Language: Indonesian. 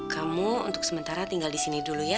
kamu untuk sementara tinggal di sini dulu ya